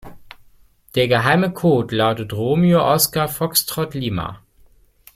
Der geheime Code lautet Romeo Oskar Foxtrott Lima.